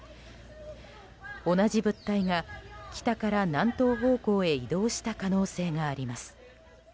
同じ物体が北から南東方向へ移動した可能性があります。